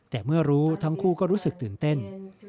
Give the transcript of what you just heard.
แต่เมื่อรู้ทั้งคู่ก็รู้สึกตื่นเต้น